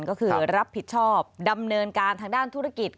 ก็คือรับผิดชอบดำเนินการทางด้านธุรกิจ